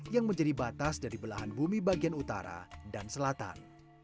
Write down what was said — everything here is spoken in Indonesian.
yang menjadi batas dari belahan bumi bagian utara dan selatan